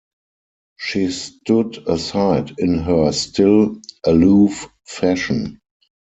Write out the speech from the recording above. She stood aside in her still, aloof fashion.